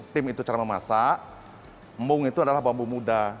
tim itu cara memasak mung itu adalah bambu muda